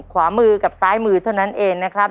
ขวามือกับซ้ายมือเท่านั้นเองนะครับ